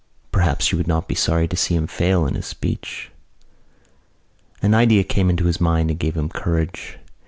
Perhaps she would not be sorry to see him fail in his speech. An idea came into his mind and gave him courage.